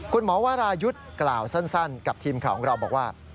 วารายุทธ์กล่าวสั้นกับทีมข่าวของเราบอกว่า